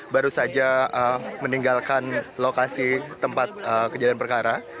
baru saja meninggalkan lokasi tempat kejadian perkara